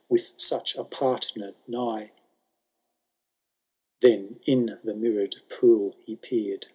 With such a partner nigh !'*^ XVIII. Then in the mirrorM pool he peered.